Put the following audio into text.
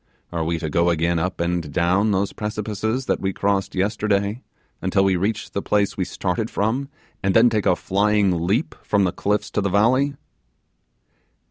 Are we to go again up and down those precipices that we crossed yesterday, until we reach the place we started from, and then take a flying leap from the cliffs to the valley?